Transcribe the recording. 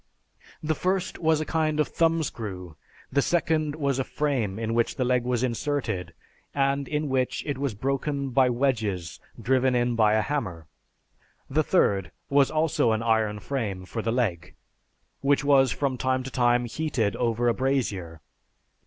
The first was a kind of thumbscrew; the second was a frame in which the leg was inserted, and in which it was broken by wedges driven in by a hammer; the third was also an iron frame for the leg, which was from time to time heated over a brazier.